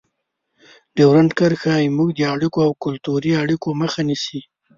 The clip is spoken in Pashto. ډیورنډ کرښه زموږ د اړیکو او کلتوري اړیکو مخه نیسي.